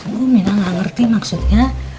gue minah gak ngerti maksudnya